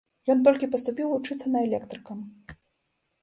Ён толькі паступіў вучыцца на электрыка.